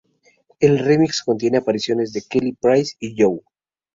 El remix contiene apariciones de Kelly Price y Joe.